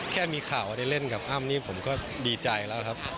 แค่มีข่าวว่าได้เล่นกับอ้ำนี่ผมก็ดีใจแล้วครับ